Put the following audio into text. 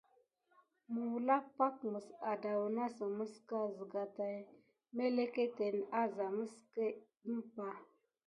Məwlak pak mes addawnasəmeska, zəga taï mélékéténe azam aské mɓa.